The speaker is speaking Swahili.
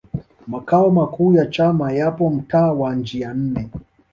makao makuu ya chama yapo mtaa wa njia nne